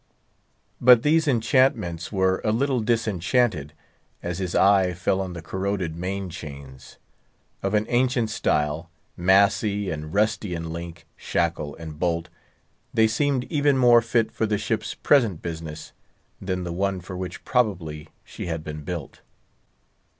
But these enchantments were a little disenchanted as his eye fell on the corroded main chains. Of an ancient style, massy and rusty in link, shackle and bolt, they seemed even more fit for the ship's present business than the one for which she had been built.